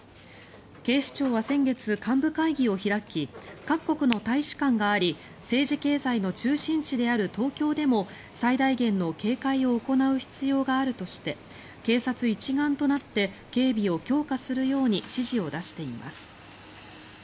警視庁は先月、幹部会議を開き各国の大使館があり政治経済の中心地である東京でも最大限の警戒を行う必要があるとして警察一丸となって警備を強化するように指示を出しています。